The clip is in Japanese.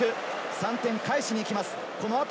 ３点返しに行きます。